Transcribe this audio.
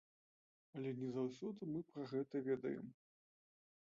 Але не заўсёды мы пра гэта ведаем.